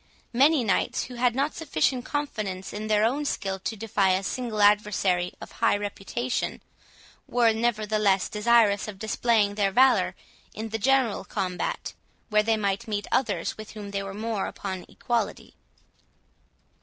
Many knights, who had not sufficient confidence in their own skill to defy a single adversary of high reputation, were, nevertheless, desirous of displaying their valour in the general combat, where they might meet others with whom they were more upon an equality.